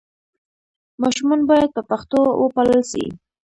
ماشومان باید په پښتو وپالل سي.